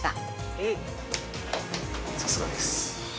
さすがです。